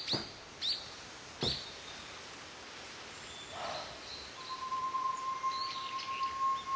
はあ。